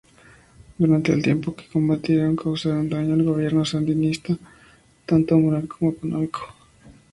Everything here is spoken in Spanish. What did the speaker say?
Durante el tiempo que combatieron causaron daño al gobierno sandinista tanto moral como económico.